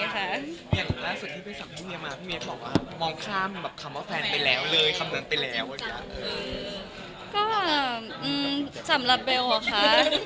ก็อ่าสำหรับเบลค่ะ